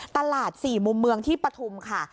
ตลาด๔มุมเมืองที่ปฐุมค่ะ